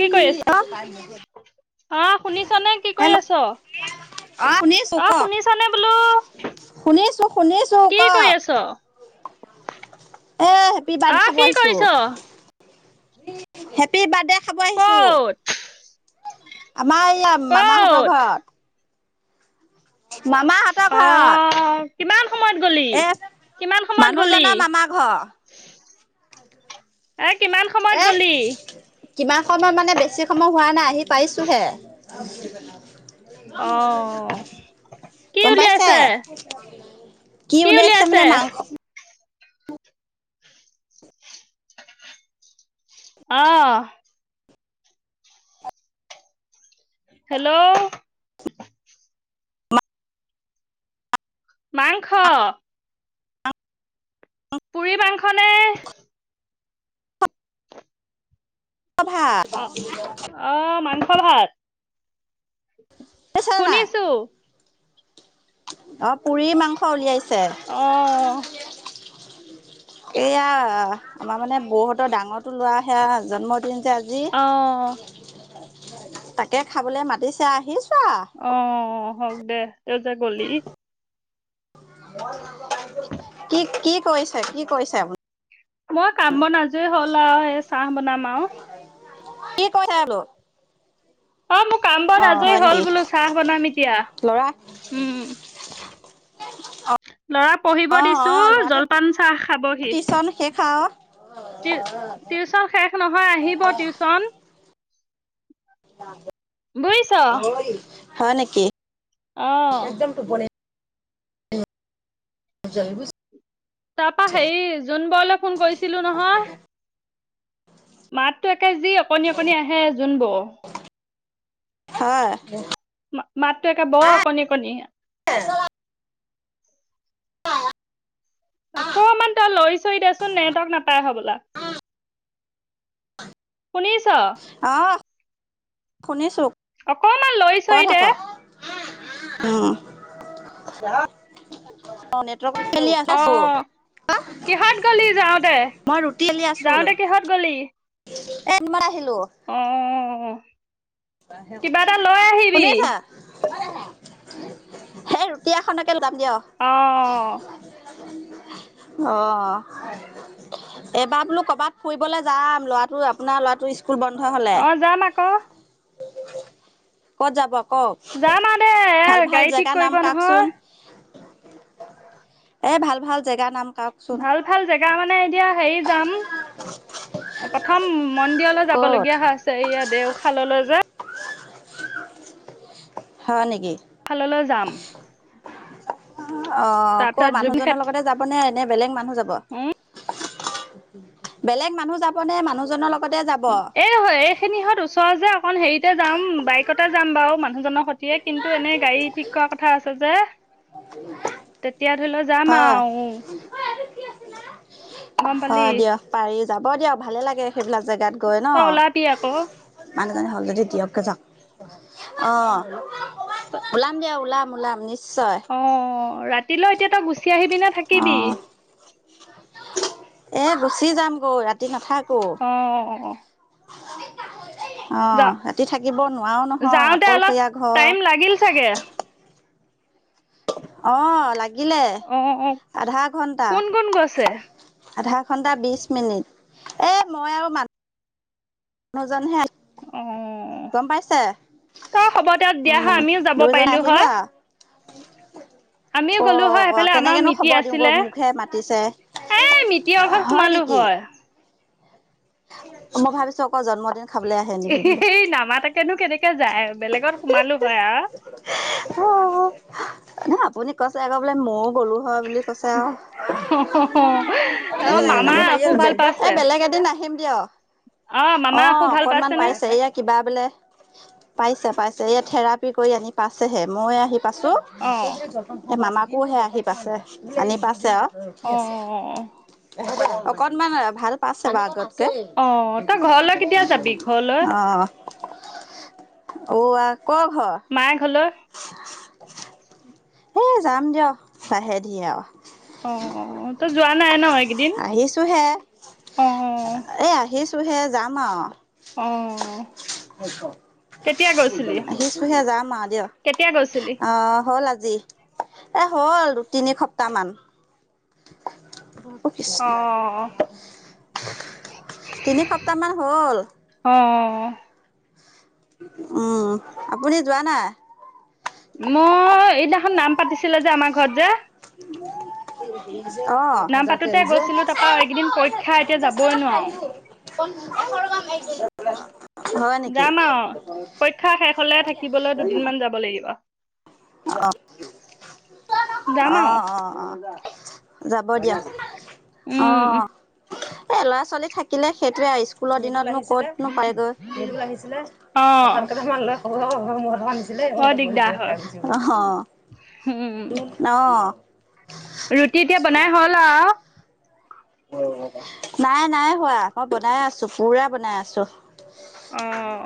কি কৰি আছ? আহ, শুনিছনে কি কৰি হেল্ল' আছ? অ শুনিছো আহ কওক শুনিছানে বোলো? শুনিছো শুনিছো কি কৰি কওক আছ? এ হেপী বাৰ্থডে আহ খাব কি আহিছো কৰিছ? হেপী বাৰ্থডে, খাব আহিছো। ক'ত? আমাৰ ইয়া মামাহঁতৰ ক'ত? ঘৰত। মামাহঁতৰ ঘৰত অহ, কিমান সময়ত গলি? এ কিমান সময়ত গলি? মানুহজনৰ মামা ঘৰ এই কিমান সময়ত এ গলি? কিমান সময় মানে বেছি সময় হোৱা নাই আহি পাইছোঁহে। অ কি গম পাইছে উলিয়াইছে? কি উলিয়াইছে মানে মাংস, অহ, ' হেল্ল', অ, মাংস। পুৰি মাংস নে? [unintelligible] হল ভাত? শুনিছো। অহ, '- পুৰি -মাংস উলিয়াইছে। অহ, এয়া আমাৰ মানে বৌহতৰ ডাঙৰটো লৰাৰ সেয়া আজি, জন্মদিন যে আজি। অ তাকে খাবলৈ মাতিছে আহিছো। আও অঁ হওঁক দে। এত গলি কি কি কৰিছে কি কিৰিছে আপুনি। মই কামত আজৰি হ'ল আৰু সেই চাহ বনাম। মাও। কত হে বুলু। অঁ মোৰ কাম বোৰ আজৰি হল বোলো চাহ বনাম, এতিয়া ল'ৰা উম লৰা পঢ়িব অ অ দিছো ল'ৰাটো জলপান চাহ খাবহি। টিউচন শেষ আও টিউচন শেষ নহয় আহিব টিউচন ঐ। হয় নেকি। অহঁ। জয়। তাৰাপা হেৰি যোন বল অলপ। ফোন কৰিছে। ছিলো নহয়। মাততো একে যি অকণনি অকণনি আহে জোন বৌ। হয়। মাতটো একে বৰ অকণি অকণি। অহঁ। অকমান তই লৰি চৰি দেচোন নেটৱৰ্ক [unintelligible] শুনিছ। অ শুনিছো অকমান লৈছ কৈ এ দে। থাকক উম। বেলি আছো অঁ কিহত গলি যাওঁতে মই ৰুটি বেলি আছো বোলো যাওঁতে কিহত গলি। এ ইমান আহিলো উম। আহিবি। শুনিছা সেই ৰুটি এখনকে। অহঁ। অঁ এইবাৰ বোলো কৰবাত ফুৰিবলৈ যাম ল'ৰাটোৰ আপোনাৰ ল'ৰাটো স্কুল। বন্ধ হলে অঁ যাম আক। ক'ত যাব। কওক যামা দে ভাল ভাল গাড়ী জেগা ঠিক নাম কৰিব কওকচোন নহয়। এ ভাল ভাল জেগা নাম। কওকচোন ভাল ভাল জেগা মানে এতিয়া। হেৰি যাম, প্ৰথম মন্দিৰলৈ ক'ত? যাবলগীয়া হৈছে। এই দেওশাললৈ যে। হয় নেকি? শাললৈ যাম। অ'! ক' তাৰপিছত জুবিন মানুহজনৰ ক্ষেত লগতে যাব নে? নে বেলেগ মানুহ যাব? উম, বেলেগ মানুহ যাব নে? মানুহজনৰ লগতে যা এই হয়। এইখিনিহঁত ওচৰ যে অকণ হেৰি, এতিয়া যাম, বাইকতে যাম বাৰু মানুহজনৰ সতিয়ে। কিন্তু, এনেই গাড়ী ঠিক কৰা কথা আছে যে। তেতিয়া ধৰি লওঁ যাম হয়, আও। গম পালি! হয় দিয়ক পাৰি যাব দিয়ক ভালে লাগে। সেইবিলাক জেগাত গৈ ন'। তই ওলাবি আকৌ। মানুহজনী হ'ল যদি দিয়ককৈ যাওঁক। অ'! ওলাম দিয়া, ওলাম। ওলায় নি নিশ্চয়। ৰা ৰাতিলৈও এতিয়া তই গুচি আহিবি নে থাকিবি? অ' এ, গুচি যাম গৈ। ৰা ৰাতি নাথাকোঁ। অ [unintelligible] যা অ'! ৰাতি থাকিব নোৱাৰাঁ নহয়, যাওঁতে অলপ অকলশৰীয়া টাইম লাগিল চাগে ঘৰ। অ'! লাগ লাগিলে অ অ আধা ঘন্টা, কোন কোন গৈছে আধা ঘন্টা বিশ মিনিট। এ, মই আৰু মানু মানুহজনহে। অ'! অ'! গম পাইছে ঐ, হ'ব দিয়ক, দিয়া হয় উম আমিও যাব দুয়োজন পাৰিলোঁ আহিলো হয়। [unintelligible] আমিও গলোঁ হয়, অ সেইফালে আমাৰ কেনেকেনো মিটিৰ খবৰ দিওঁগৈ আছিলে। মোকহে মাতিছে এ, মিটিৰৰ ঘৰত সোমালোঁ হয়। মই ভাবিছোঁ এ, নামাতাকেনো কেনেকে যায়। বেলেগক সোমালোঁ হয় আও। অ'! আপুনি কৈছে আকৌ বোলে! ম'ও গলো হয় বুলি কৈছে আৱ আৰু অ মামা আকৌ ভাল এ পাইছে বেলেগ এদিন আহিম কিয় মামা অ আকৌ ভাল অকনমান পাইছেনে পাইছে এয়া কিবা পাইছে পাইছে এয়া থেৰাপিকৰি আনি পাইছেহে মই আহি পাইছো অ এ মামা আকোহে আহি পাইছে আনি পাইছে আৰু অ [unintelligible] অকণমান ভাল পাইছে বাউ আগতকে অ অ তই ঘৰলৈ কেতিয়া যাবি ঘৰলৈ অ অ আহ মায়ে ঘৰলৈ এ যাম দিয়ক লাহে ধিয়ে আৰু অ তই যোৱা নাই ন এইকেইদিন আহিছো হে অ এ আহিছোহে যাম আৰু অ কেতিয়া গৈছিলি আহিছো হে যাম আৰু দিয়ক কেতিয়া গৈছিলি আহ হ'ল আজি এ হ'ল তিনি সপ্তাহ মান অ [inaudible] তিনি সপ্তাহ মান হল অ উম আপুনি যোৱা নাই মই এইদিনাখন নাম পাতিছিলে যে আমাৰ ঘৰত যে নাম পাতোতে গৈছিলো উ তাৰপা এইকেইদিন পৰীক্ষা এতিয়া যাবই নোৱাৰো অ অ যাম আৰু পৰীক্ষা শেষ হলে থাকিবলৈ দুদিন মান যাব লাগিব যাম অ অ আৰু অ অ যাব দিয়া অ উম এ ল'ৰা ছোৱালী থাকিলে সেইটোৱে স্কুলৰ দিনত এনো ক'ত নো পায়গৈ। সেইতো আহিছিলে অ ভাত কেইটা মান ল [unintelligible] আছিলে বহি, বৰ বহি দিগদাৰ হয় খাই আছো। অহ অঁহ। উম অঁ ৰুটি এতিয়া বনাই হ'ল আউ। নাই, নাই হোৱা। মই বনাই আছো, পুৰা বনাই আছো। অহ।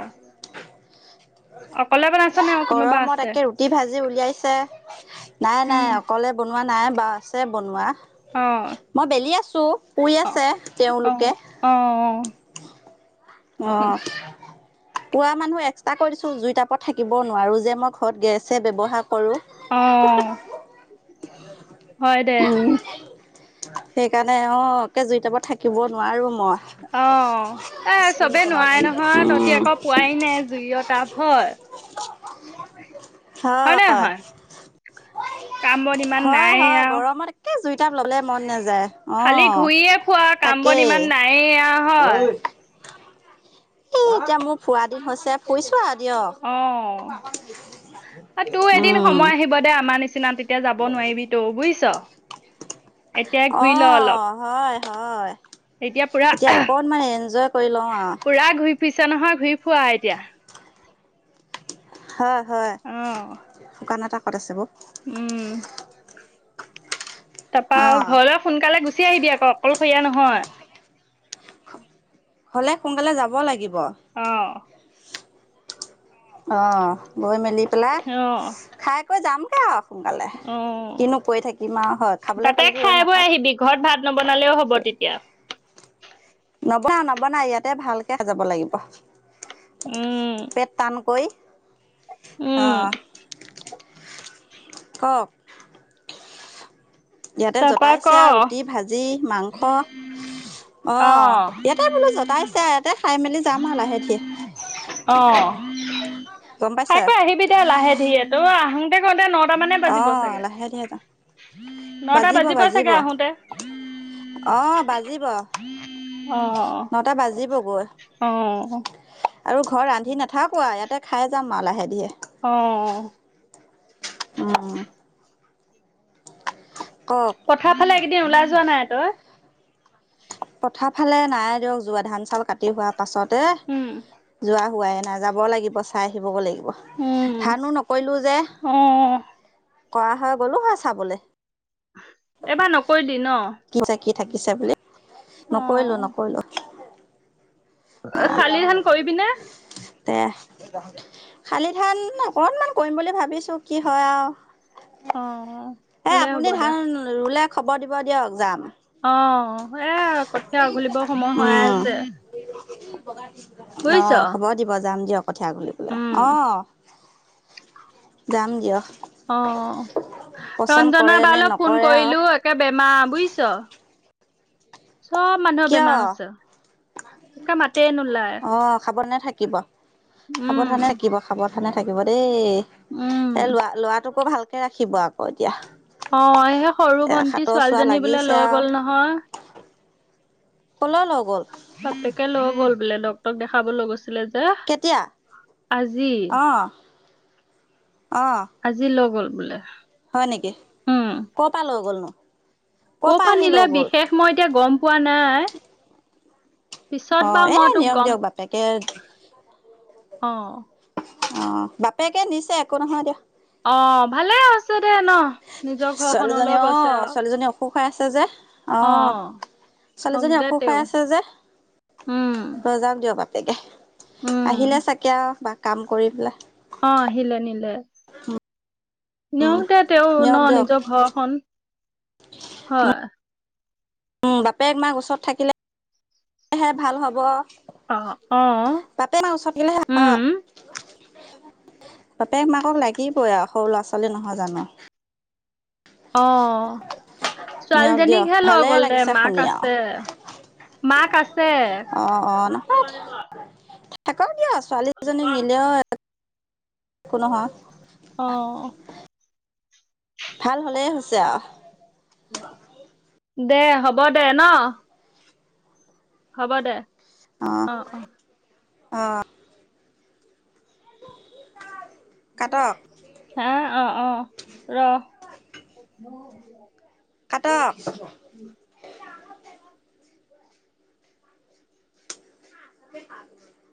অকলে বনাই'ছ নে আৰু কোনোবা গৰমত আছে? একে ৰুটি ভাজি উলিয়াইছে। নাই, নাই উম অকলে ব বনোৱা নাই বাৰু, আছে বনোৱা। অ মই বেলি আছো। টোও শুই অ আছে অ তেওঁলোকে। অ অ। উম, পুৱা মানুহ এক্সট্ৰা কৰি দিছো। জুই টাইপত থাকিব নোৱাৰো যে। মই ঘৰত গেছে ব্যৱহাৰ কৰোঁ। অঁ, অঁ। হয় দে। উম, সেইকাৰণে অ একে জুই তাপত থাকিব নোৱাৰো। মই। অ, এ চবেই নোৱাৰে নহয়। তহতি উম আকৌ পোৱাই নাই জুইয় তাপ, হয়? হয় নে নহয়? কাম- বন ইমান হয় নাইয়ে হয় আও। গৰমত একে জীৱ জুই তাপ লবলে মন নাযায়। অ খালি ঘূৰিয়ে ফুৰ আৰু। কাম- বন তাকেই ইমান নায়েই আউ, হয়? ও এতিয়া মোৰ ফুৰা দিন হৈছে ফুৰিছো আৰু দিয়ক অঁ, তোৰ এদিন উম সময় আহিব দে আমাৰ নিচি না [unintelligible] তেতিয়া যাব নোৱাৰিবি তওঁ বুইছ? অঁ হয়, হয়। এতিয়া অকণমান এনজয় কৰি লওঁ আউ। ফুৰিছা নহয়, ঘূৰি ফুৱা এতিয়া। হয়। হয়। অ শুকান এটা শকত আছে বাও উম। তাৰপা অ ঘৰলৈ সোনকালে গুচি গুচি আহিবি আকৌ অকলশৰীয়া নহয়। হলে সোনকালে যাব লাগিব। অ। অ। গৈ মেলি পেলাই অ', খাই কৈ যাম। সোনকালে, অ', কিনো কৰি থাকিম আৰু হয় খাবলৈ তাতে পালেতো ৰৈ খাই বৈ নাথাক- আহিবি ঘৰত ভাত নবনালেও হ'ব তেতিয়া- নবনা নবনা ইয়াতে ভালকে যাব লাগিব। উম, পেট টানকৈ- উম, আহ। ক তাৰপা ক, আৰু ৰুটি ভাজি মাংস অঁ আহ ইয়াতে বোলো জতাইছে ইয়াতে খাই মেলি যাম আৰু লাহে ধীৰে আহ গম পাইছে আকৌ আহিবি দে লাহে ধিয়ে তই আহো। সেই কাৰণে তা মানে বাজিব অঁ চাগে- লাহে ধীৰে যাম নটা বাজিব বাজিৰ প বাজিব চাগে আহোতে অঁ বাজিব অ- নটা বাজিবগৈ অ আৰু ঘৰ ৰান্ধি নাথাকোঁ আৰু ইয়াতে খাই যাম আঁ লাহে দিহে- অ উম। কওক কথা ভালে কেইদিন ওলাই যোৱা নাই তই- পথাৰ ফালে নাই দিয়ক যোৱা ধান চাউল কাটি হোৱা। পাছতে উম, যোৱা হোৱাই। নাযাব লাগিব চাই আহিবগৈ লাগিব। উম, ধানো নকৰিলোঁ যে। অ', কৰা হয় গ'লো হয় চাবলৈ- এবাৰ নকৈ দি ন- কি হৈছে কি থাকিছে বোলে নকৰিলো অ', নকৰিলো- শালি ধান কৰিবিনে? [inaudible] দে শালি ধান অকনমান কৰিম বুলি ভাবিছো কি হয় আৰু- অ', এ ভালে আপুনি হ'ব দে। ধান ৰুলে- খবৰ দিব দিয়ক যাম অ এ কথিয়া উঘালিবৰ সময় হইয়ে উম আছে [inaudible] অ বুজিছ খব দিব যাম দিয়ক। কঠীয়া উঘলিবলে, উম অ যাম দিয়ক। অ পচন্দ ৰঞ্জনা কৰে নে বালে ফোন নকৰে আৰু কৰিলো একে বেমাৰ বুইছ। চব মানুহৰ কিয় বেমাৰ হৈছে। তোকে মাতে নোলায়, অ সাৱধানে থাকিব উম ধানে থাকিব দেই। উম এ এ লৰা লৰা তোকো ভালকে ৰাখিব আকৌ এতিয়া। অ সেই সৰু এ ভন্টি হাতৰ চোৱা ছোৱালীজনী বোলে লাগিছে লৈ আৰু গল নহয়। কলৈ লৈ গ'ল? বাপেকে লৈ গ'ল বোলে ডক্টৰক দেখাব লৈ গৈছে। আছিলে যে কেতিয়া আজি অঁ অঁ আজি লৈ গ'ল। বোলে। হয় নেকি কৰ' পা লৈ গ'লনো? ক ক'ৰ পৰা পা আহি নিলে লৈ গ'ল বিশেষ মই এতিয়া গম পোৱা নাই। পিছত অ বাৰু এ মই তোক নিয়ক গম দিয়ক বাপেকে অ অ বাপেকে নিছে একো নহয় দিয়া। অ ভালে হৈছে দে ন। নিজৰ ছোৱালীজনী ঘৰখনলৈ অ গৈছে আৰু ছোৱালীজনী অসুখ হৈ আছে যে। অ হওক ছোৱালীজনী দে অসুখ হৈ তেওঁ আছে যে, উম যাওক দিয়ক বাপ তাকে উম আহিলে চাগে আৱ কাম কৰি পেলাই অ আহিলে নিলে নিয়ওঁতে তেওঁ ন নিয়ক দিয়ক নিজৰ ঘৰখন হয় বাপেক মাক ওচৰত থাকিলেহে ভাল হ'ব। অ অ বাপেক মাক ওচৰত থাকিলেহে হা উম বাপেক মাকক লাগিবই আও। সৰু ল'ৰা ছোৱালী নহয় জানো? অ। নিয়ক দিয়ক ছোৱালীজনীকহে লৈ ভালে গল দে, লাগিছে মাক শুনি আৰু আছে। মাক আছে। অ অ নহয় [inaudible] থাকক দিয়া ছোৱালী এজনী নিলে অ। [unintelligible] অ ভাল হ'লেই হৈছে আৰু। দে হ'ব দে ন। হ'ব দে। অ অ। অ কাটক হা অ আঁহ ৰ কাটক। উম। [unintelligible]